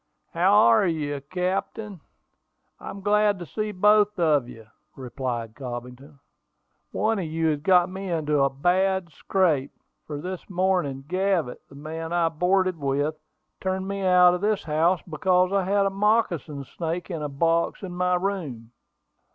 "How are you, captain: I'm glad to see both of you," replied Cobbington. "One of you has got me into a bad scrape, for this morning, Gavett, the man I boarded with, turned me out of his house because I had a moccasin snake in a box in my room."